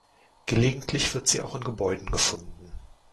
Gelegentlich wird sie auch in Gebäuden gefunden.